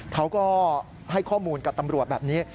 เขาก็ให้ข้อมูลกับตำรวจแบบนี้